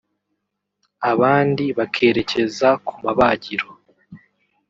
abandi bakerekeza ku mabagiro